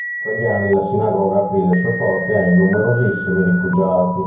In quegli anni la sinagoga aprì le sue porte ai numerosissimi rifugiati.